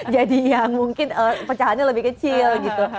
jadi yang mungkin pecahannya lebih kecil gitu